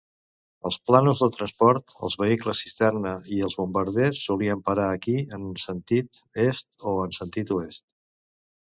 Els plànols de transport, els vehicles cisterna i els bombarders solien parar aquí, en sentit est o en sentit oest.